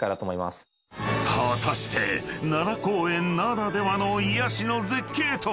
［果たして奈良公園ならではの癒やしの絶景とは？］